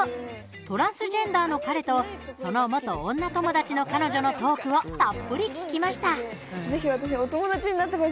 トランスジェンダーの彼とその元女友達の彼女のトークをたっぷり聞きました。